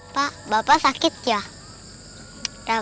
pak bapak sakit ya